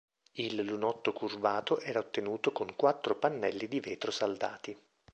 Il lunotto curvato era ottenuto con quattro pannelli di vetro saldati.